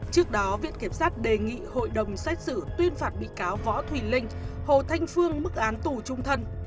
trước đó viện kiểm sát đề nghị hội đồng xét xử tuyên phạt bị cáo võ thùy linh hồ thanh phương mức án tù trung thân